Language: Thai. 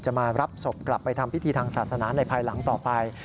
มารับศพกลับไปทำพิธีทางศาสนาในภายหลังต่อไป